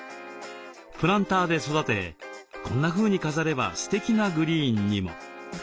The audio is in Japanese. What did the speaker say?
プランターで育てこんなふうに飾ればすてきなグリーンにも。